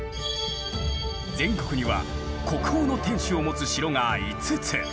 全国には国宝の天守を持つ城が５つ。